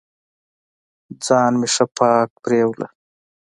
ځان مې ښه پاک پرېوه.